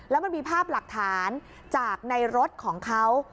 แล้วมันมีภาพหลักฐานจากในรถของเขา